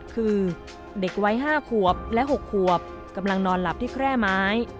คือเด็กวัย๕ขวบและ๖ขวบกำลังนอนหลับที่แคร่ไม้